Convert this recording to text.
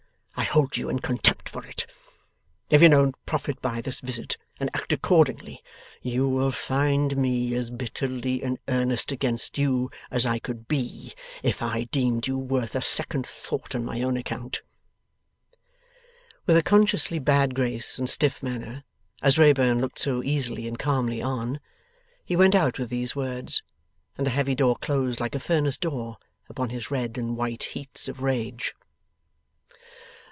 I hold you in contempt for it. But if you don't profit by this visit, and act accordingly, you will find me as bitterly in earnest against you as I could be if I deemed you worth a second thought on my own account.' With a consciously bad grace and stiff manner, as Wrayburn looked so easily and calmly on, he went out with these words, and the heavy door closed like a furnace door upon his red and white heats of rage.